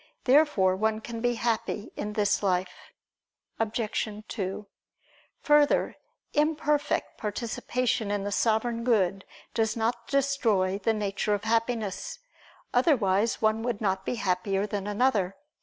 Therefore one can be happy in this life. Obj. 2: Further, imperfect participation in the Sovereign Good does not destroy the nature of Happiness, otherwise one would not be happier than another.